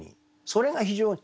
それが非常に。